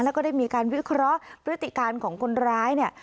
แล้วก็ได้มีการวิเคราะห์พฤติการของคนร้ายเนี่ย